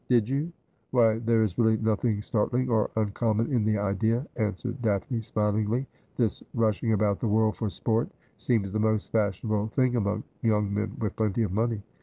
' Did you ? Why, there is really nothing startling or un common in the idea,' answered Daphne smilingly. ' This rush ing about the world for sport seems the most fashionable thing among young men with plenty of money.